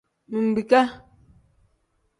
Mbiika.